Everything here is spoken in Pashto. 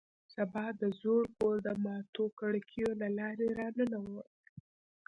سبا د زوړ کور د ماتو کړکیو له لارې راننوت